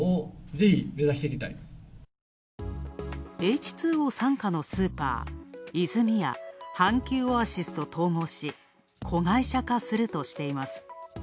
Ｈ２Ｏ傘下のスーパー、イズミヤ、阪急オアシスと統合し子会社化するとしています。